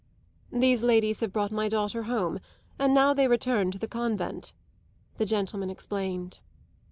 "These ladies have brought my daughter home, and now they return to the convent," the gentleman explained.